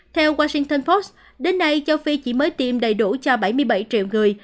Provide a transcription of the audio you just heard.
theo washington fox đến nay châu phi chỉ mới tiêm đầy đủ cho bảy mươi bảy triệu người